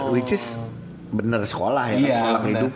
which is bener sekolah ya sekolah kehidupan